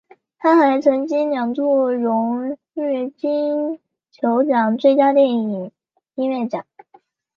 他还曾经两度荣膺金球奖最佳电影音乐奖。